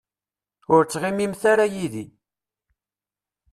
Ur ttɣimimt ara yid-i.